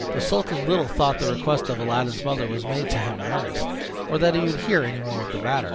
The sultan little thought the request of Aladdin's mother was made to him in earnest, or that he would hear any more of the matter.